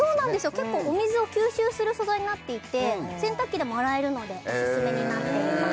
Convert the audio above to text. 結構お水を吸収する素材になっていて洗濯機でも洗えるのでオススメになっています